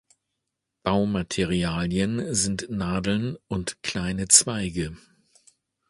Baumaterialien sind Nadeln und kleine Zweige.